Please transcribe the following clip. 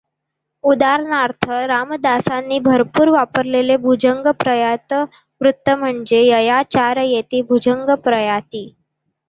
उदा. रामदासांनी भरपूर वापरलेले भुजंगप्रयात वृत्त म्हणजे य या चार येती भुजंगप्रयाती